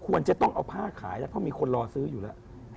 ควรจะต้องเอาผ้าขายแล้วเพราะมีคนรอซื้ออยู่แล้ว